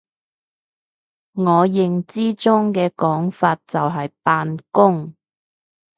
我認知中嘅講法就係扮工！